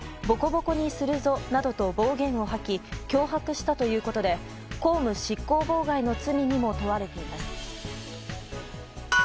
ボコボコにするぞなどと暴言を吐き脅迫したということで公務執行妨害の罪にも問われています。